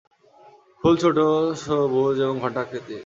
ফুল ছোট, সবুজ এবং ঘণ্টা আকৃতির।